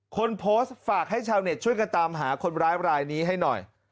คนโพสต์ฝากให้ชาวเน็ตช่วยกันตามหาคนร้ายรายนี้ให้หน่อย